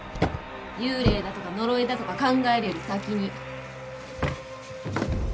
幽霊だとか呪いだとか考えるより先に。